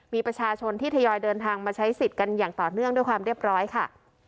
มีประชาชนที่ทยอยเดินทางมาใช้สิทธิ์กันอย่างต่อเนื่องด้วยความเรียบร้อยค่ะ